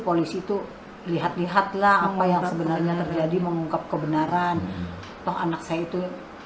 polisi itu lihat lihatlah apa yang sebenarnya terjadi mengungkap kebenaran toh anak saya itu